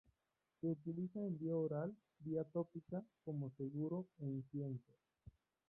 Se utiliza en vía oral, vía tópica, como seguro e incienso.